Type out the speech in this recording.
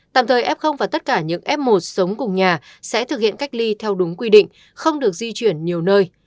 tạm thời f và tất cả những f một sống cùng nhà sẽ thực hiện cách ly theo đúng quy định không được di chuyển nhiều nơi